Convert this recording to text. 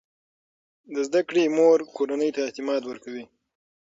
د زده کړې مور کورنۍ ته اعتماد ورکوي.